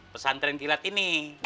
pesantren kilat ini